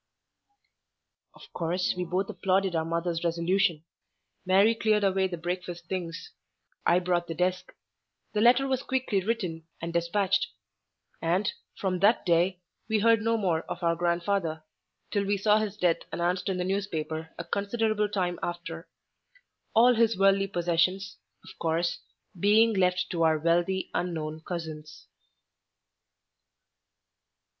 Of course, we both applauded our mother's resolution; Mary cleared away the breakfast things; I brought the desk; the letter was quickly written and despatched; and, from that day, we heard no more of our grandfather, till we saw his death announced in the newspaper a considerable time after—all his worldly possessions, of course, being left to our wealthy unknown cousins.